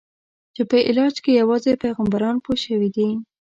چې په علاج یې یوازې پیغمبران پوه شوي دي.